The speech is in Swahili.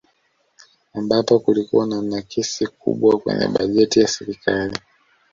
Ambapo kulikuwa na nakisi kubwa kwenye bajeti ya serikali